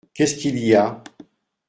Qu’est-ce qu’il y a ?